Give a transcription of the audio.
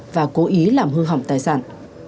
và cố ý làm hư hỏng tài sản